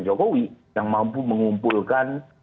jokowi yang mampu mengumpulkan